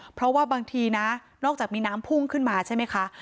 เพราะว่าบางทีนะนอกจากมีน้ำพุ่งขึ้นมาใช่ไหมคะ